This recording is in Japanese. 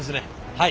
はい。